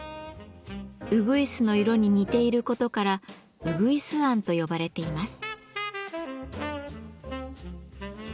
うぐいすの色に似ていることからうぐいすあんと呼ばれています。